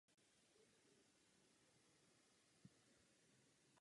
Pro znalost latiny jej představení zvolili za kronikáře řádu.